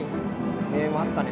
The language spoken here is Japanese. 見えますかね？